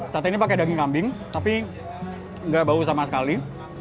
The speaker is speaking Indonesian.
sate ini pakai daging kambing tapi enggak bau sama sekali